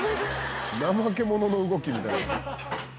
ナマケモノの動きみたい。